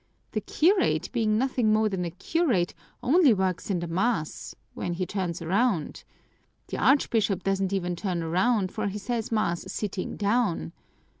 The curate, being nothing more than a curate, only works in the mass when he turns around! The Archbishop doesn't even turn around, for he says mass sitting down.